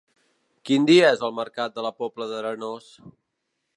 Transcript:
Quin dia és el mercat de la Pobla d'Arenós?